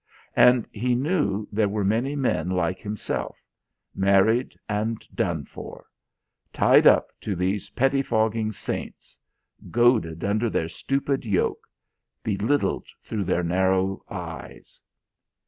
And he knew there were many men like himself, married and done for; tied up to these pettifogging saints; goaded under their stupid yoke; belittled through their narrow eyes.